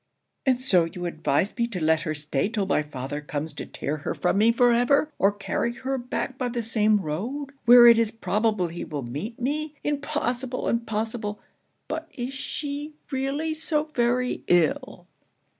'And so you advise me to let her stay till my father comes to tear her from me for ever! or carry her back by the same road, where it is probable he will meet me? Impossible! impossible! but is she really so very ill?'